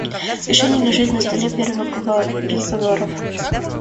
Решение лежит на столе переговоров.